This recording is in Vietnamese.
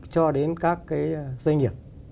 cho đến các cái doanh nghiệp